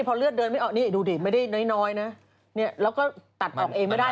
พอเลือดเดินไม่ออกนี่ดูดิไม่ได้น้อยนะเนี่ยแล้วก็ตัดออกเองไม่ได้